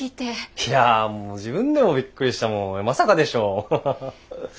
いやもう自分でもびっくりしたもんまさかでしょハハハ。